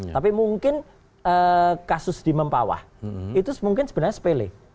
tapi mungkin kasus di mempawah itu mungkin sebenarnya sepele